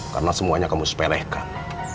karena semuanya kamu sepelehkan